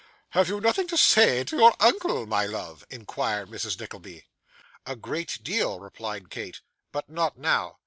'Have you nothing to say to your uncle, my love?' inquired Mrs. Nickleby. 'A great deal,' replied Kate; 'but not now.